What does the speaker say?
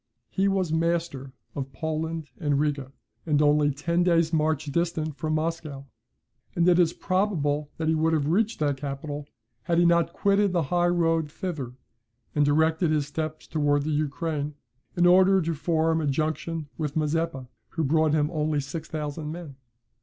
He was master of Poland and Riga, and only ten days' march distant from Moscow: and it is probable that he would have reached that capital, had he not quitted the high road thither, and directed his steps towards the Ukraine, in order to form a junction with Mazeppa, who brought him only 6,000 men.